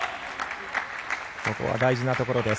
ここは大事なところです。